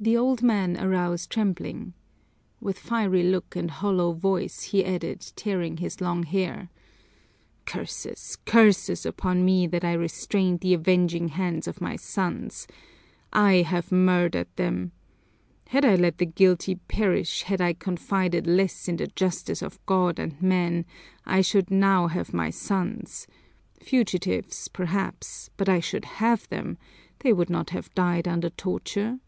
The old man arose trembling. With fiery look and hollow voice, he added, tearing his long hair, "Curses, curses upon me that I restrained the avenging hands of my sons I have murdered them! Had I let the guilty perish, had I confided less in the justice of God and men, I should now have my sons fugitives, perhaps, but I should have them; they would not have died under torture!